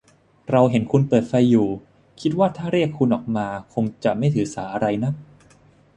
เราเห็นคุณเปิดไฟอยู่ คิดว่าถ้าเรียกคุณออกมาคงจะไม่ถือสาอะไรนัก